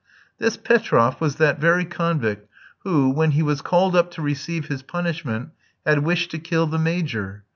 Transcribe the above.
This Petroff was that very convict who, when he was called up to receive his punishment, had wished to kill the Major.